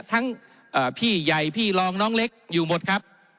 ทั้งพี่ใหญ่พี่รองน้องเล็กอยู่หมดครับ